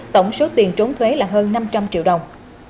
tổng số tiền trốn thuế là hơn năm trăm linh triệu đồng